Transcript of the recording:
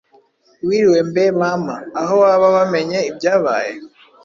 Wiriwe mbe Mama! Aho waba wamenye ibyabaye?